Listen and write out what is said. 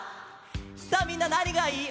さあみんななにがいい？